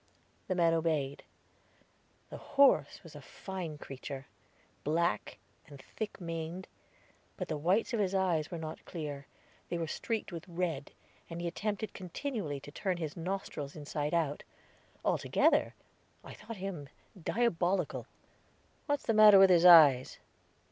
The man obeyed. The horse was a fine creature, black, and thick maned; but the whites of his eyes were not clear; they were streaked with red, and he attempted continually to turn his nostrils inside out. Altogether, I thought him diabolical. "What's the matter with his eyes?"